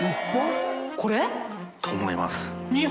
海譟と思います。